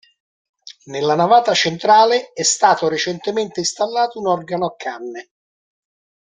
Nella navata centrale è stato recentemente installato un organo a canne.